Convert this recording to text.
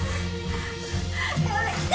やめて！